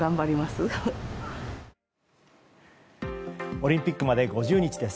オリンピックまで５０日です。